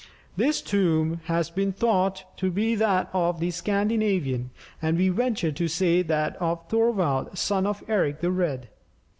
This tomb has been thought to be that of a Scandinavian, and we venture to say, that of Thorvald, son of Eric the Red.